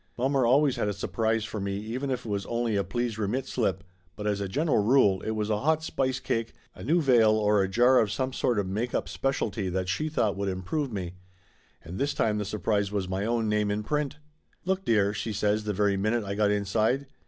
Mommer always had a surprise for me, even if it was only a please remit slip, but as a general Laughter Limited 177 rule it was a hot spice cake, a new veil or a jar of some sort of make up specialty that she thought would improve me. And this time the surprise was my own name in print. "Look, dear !" she says the very minute I got inside.